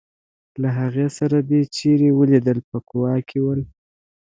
له هغې سره دي چېرې ولیدل په کوا کې ول.